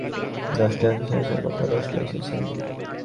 দশটায় অফিসে আসার কথা, দশটায় এসেছেন।